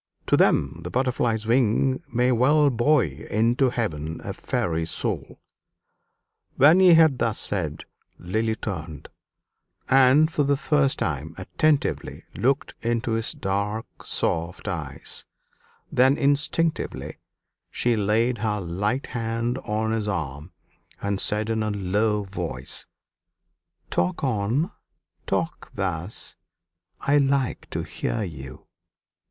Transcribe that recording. To them the butterfly's wing may well buoy into heaven a fairy's soul!" When he had thus said, Lily turned, and for the first time attentively looked into his dark soft eyes; then instinctively she laid her light hand on his arm, and said in a low voice, "Talk on talk thus; I like to hear you."